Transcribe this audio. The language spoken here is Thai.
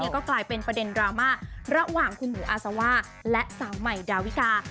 ก็กลายเป็นประเด็นดราม่าระหว่างคุณหมูอาซาว่าและสาวใหม่ดาวิกา